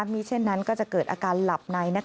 มีเช่นนั้นก็จะเกิดอาการหลับใน